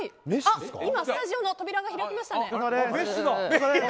今スタジオの扉が開きましたね。